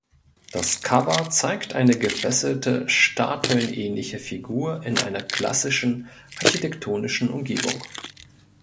Das Cover zeigt eine gefesselte statuenähnliche Figur in einer klassischen architektonischen Umgebung.